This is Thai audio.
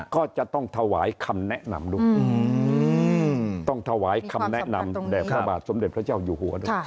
ก็จะต้องถวายคำแนะนำด้วยต้องถวายคำแนะนำแด่พระบาทสมเด็จพระเจ้าอยู่หัวด้วย